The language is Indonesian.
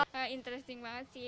menarik banget sih